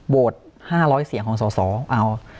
โบสถ์๕๐๐เสียงของศวเอา